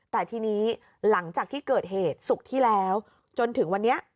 แต่ทีนี้หลังจากที่เกิดเหตุศุกร์ที่แล้วจนถึงวันนี้